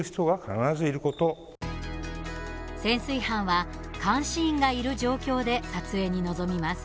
潜水班は監視員がいる状況で撮影に望みます。